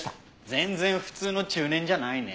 全然普通の中年じゃないね。